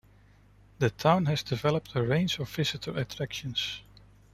The town has developed a range of visitor attractions.